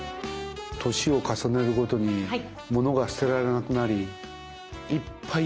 年を重ねるごとにものが捨てられなくなりいっぱい